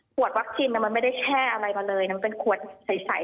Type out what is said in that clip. วัคซีนมันไม่ได้แช่อะไรมาเลยมันเป็นขวดใส